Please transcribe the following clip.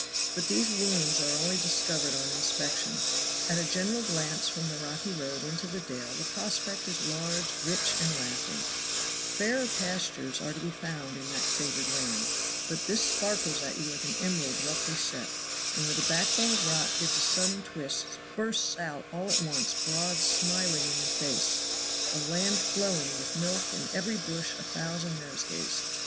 But these wounds are only discovered on inspection; at a general glance from the rocky road into the dale the prospect is large, rich and laughing; fairer pastures are to be found in that favored land, but this sparkles at you like an emerald roughly set, and where the backbone of rock gives a sudden twist bursts out all at once broad smiling in your face a land flowing with milk and every bush a thousand nosegays.